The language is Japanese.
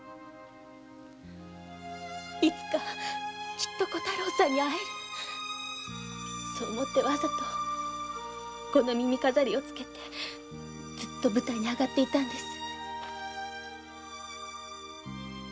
いつかきっと小太郎さんに会えるそう思ってわざとこの耳飾りをつけて舞台へ上がっていたんです。